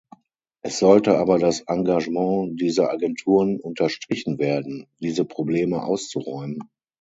Es sollte aber das Engagement dieser Agenturen unterstrichen werden, diese Probleme auszuräumen.